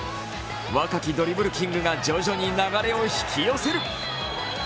若きドリブルキングが徐々に流れを引き寄せる。